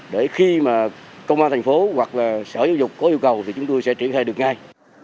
để khi mà công an thành phố hoặc là sở giáo dục có yêu cầu thì chúng tôi sẽ triển khai được ngay